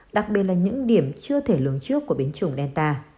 đặc biệt là những điểm chưa thể lường trước của biến chủng delta